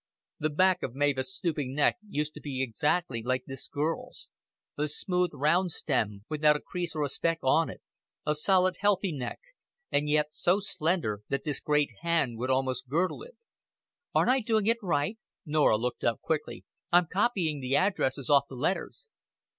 The back of Mavis' stooping neck used to be exactly like this girl's a smooth, round stem, without a crease or a speck on it, a solid, healthy neck, and yet so slender that his great hand would almost girdle it. "Aren't I doing right?" Norah looked up quickly. "I'm copying the addresses off the letters."